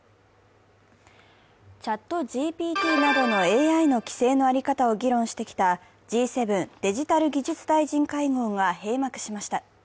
ＣｈａｔＧＰＴなどのＡＩの規制の在り方を議論してきたＧ７デジタル・技術大臣会合が閉幕しました。